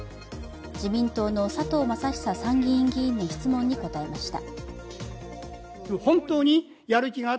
自民党の佐藤正久参議院議員の質問に答えました。